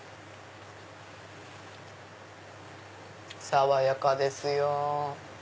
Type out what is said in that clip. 爽やかですよ。